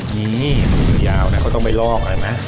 นี่มะเขือยาวนะเขาต้องไปลอกไงนะ